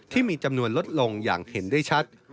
ที่มีจำนวนลดลงอย่างเห็นได้ชัด